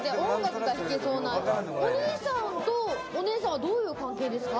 お兄さんとお姉さんは、どういう関係ですか？